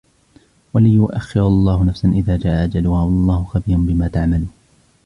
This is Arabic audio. ولن يؤخر الله نفسا إذا جاء أجلها والله خبير بما تعملون